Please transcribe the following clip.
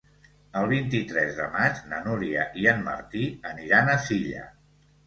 El vint-i-tres de maig na Núria i en Martí aniran a Silla.